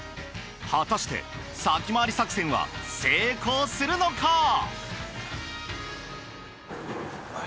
果たして先回り作戦は成功するのか？